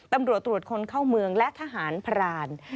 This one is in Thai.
ตำรวจตรวจคนเข้าเมืองและทหารพราน